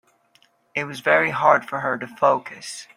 It was very hard for her to focus.